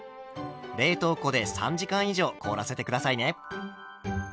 冷凍庫で３時間以上凍らせて下さいね。